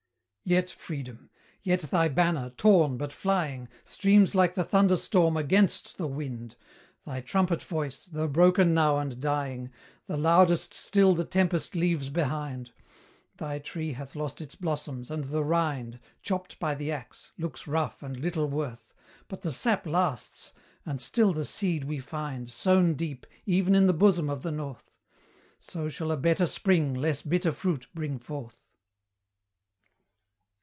Yet, Freedom! yet thy banner, torn, but flying, Streams like the thunder storm AGAINST the wind; Thy trumpet voice, though broken now and dying, The loudest still the tempest leaves behind; Thy tree hath lost its blossoms, and the rind, Chopped by the axe, looks rough and little worth, But the sap lasts, and still the seed we find Sown deep, even in the bosom of the North; So shall a better spring less bitter fruit bring forth.